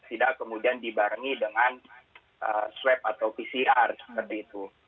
tidak kemudian dibarengi dengan swab atau pcr seperti itu